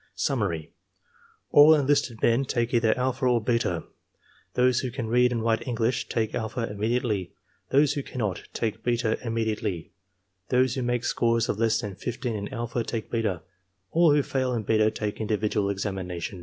Summary. — ^AU enlisted men take either alpha or beta. Those who can read and write English, take alpha immediately. Those who cannot, take beta immediately. Those who make scores of less than 15 in alpha take beta. All who fail in beta take individual examination.